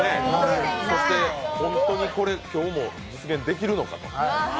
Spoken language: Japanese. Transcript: そして、本当に今日も実現できるのかと。